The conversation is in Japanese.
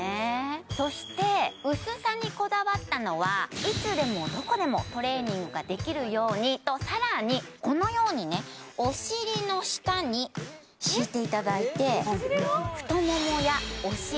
そして薄さにこだわったのはいつでもどこでもトレーニングができるようにとさらにこのようにねいただいて太ももやお尻の